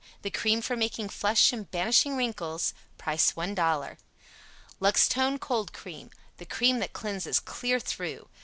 The cream for making flesh and banishing wrinkles. Price $1.00. LUXTONE COLD CREAM. The cream that cleanses clear through.